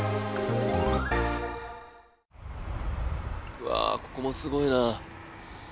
うわ、ここもすごいな。